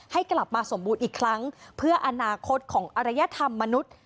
ให้กลับมาสมบูรณ์อีกครั้งเพื่ออนาคตของอรยธรรมมนุษย์